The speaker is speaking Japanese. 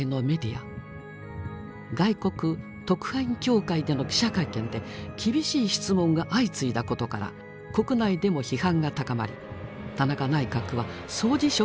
外国特派員協会での記者会見で厳しい質問が相次いだことから国内でも批判が高まり田中内閣は総辞職に追い込まれたのです。